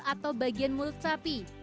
atau bagian mulut sapi